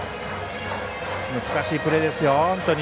難しいプレーですよ、本当に。